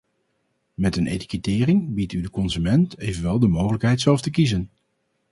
Met een etikettering biedt u de consument evenwel de mogelijkheid zelf te kiezen.